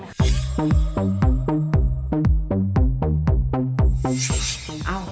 อ้าวเดี๋ยวอ้าวใหม่ครั้งค่ะ